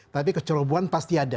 tapi kecerobohan pasti ada